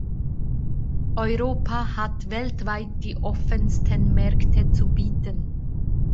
Europa hat weltweit die offensten Märkte zu bieten.